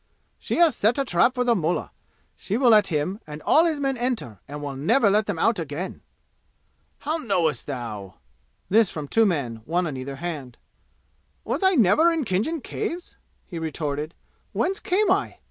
"She has set a trap for the mullah. She will let him and all his men enter and will never let them out again!" "How knowest thou?" This from two men, one on either hand. "Was I never in Khinjan Caves?" he retorted. "Whence came I?